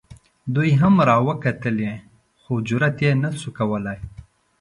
دوی هم را وکتلې خو جرات یې نه شو کولی.